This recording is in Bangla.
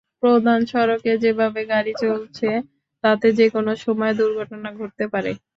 প্রধান সড়কে যেভাবে গাড়ি চলছে, তাতে যেকোনো সময় দুর্ঘটনা ঘটতে পারে।